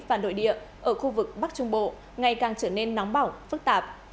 và nội địa ở khu vực bắc trung bộ ngày càng trở nên nóng bỏng phức tạp